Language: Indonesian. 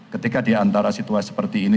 ketika diantara situasi seperti ini